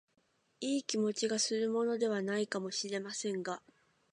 いい気持ちがするものでは無いかも知れませんが、